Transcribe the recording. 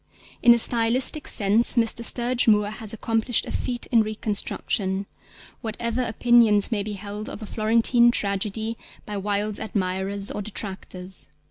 In a stylistic sense Mr. Sturge Moore has accomplished a feat in reconstruction, whatever opinions may be held of A Florentine Tragedy by Wilde's admirers or detractors.